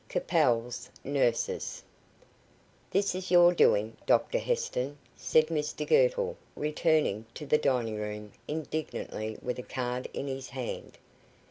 CAPEL'S NURSES. "This is your doing, Dr Heston," said Mr Girtle, returning to the dining room, indignantly, with a card in his hand.